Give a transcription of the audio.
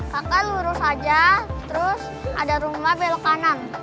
kakak lurus aja terus ada rumah belok kanan